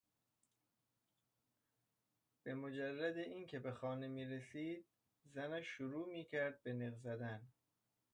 به مجرد اینکه به خانه میرسید زنش شروع میکرد به نق زدن.